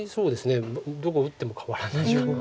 どこを打っても変わらないかな。